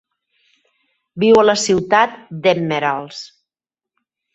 Viu a la ciutat d'Emeralds.